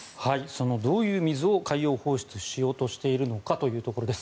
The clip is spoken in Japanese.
そのどういう水を海洋放出しようとしているのかということです。